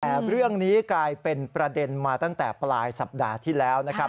แต่เรื่องนี้กลายเป็นประเด็นมาตั้งแต่ปลายสัปดาห์ที่แล้วนะครับ